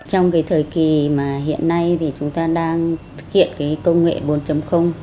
trong thời kỳ hiện nay chúng ta đang thực hiện công nghệ bốn đối với các cấp hội phụ nữ trong tỉnh